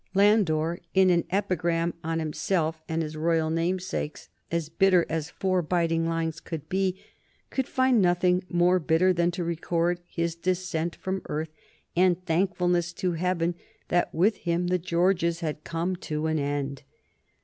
Landor, in an epigram on himself and his royal namesakes as bitter as four biting lines could be, could find nothing more bitter than to record his descent from earth, and thankfulness to Heaven that with him the Georges had come to an end.